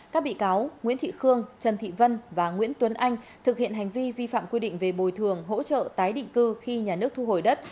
các bị cáo nguyễn thị khương trần thị vân và nguyễn tuấn anh thực hiện hành vi vi phạm quy định về bồi thường hỗ trợ tái định cư khi nhà nước thu hồi đất